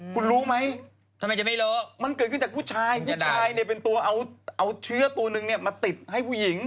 คุณรู้ไหมมันเกิดขึ้นจากผู้ชายผู้ชายเป็นตัวเอาเชื้อตัวนึงมาติดให้ผู้หญิง